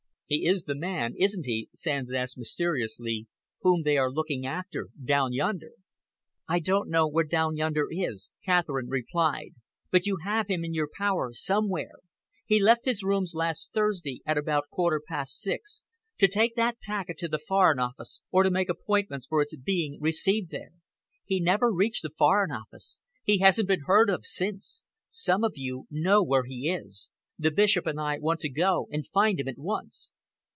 "He is the man, isn't he," Sands asked mysteriously, "whom they are looking after down yonder?" "I don't know where 'down yonder' is," Catherine replied, "but you have him in your power somewhere. He left his rooms last Thursday at about a quarter past six, to take that packet to the Foreign Office, or to make arrangements for its being received there. He never reached the Foreign Office. He hasn't been heard of since. Some of you know where he is. The Bishop and I want to go and find him at once."